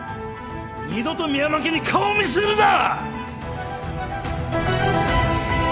二度と深山家に顔を見せるな！